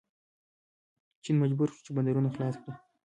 چین مجبور شو چې بندرونه خلاص کړي.